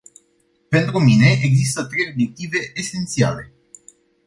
Pentru mine, există trei obiective esențiale.